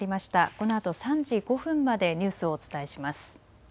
このあと３時５分までニュースをお伝えします。